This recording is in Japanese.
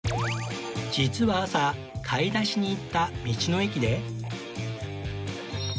実は朝買い出しに行った道の駅で